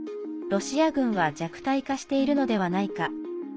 ロシア軍は弱体化しているのではないか。